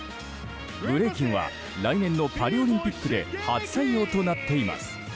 ブレイキンは来年のパリオリンピックで初採用となっています。